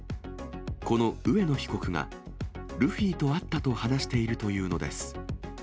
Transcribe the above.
この上野被告が、ルフィと会ったと話しているというのです。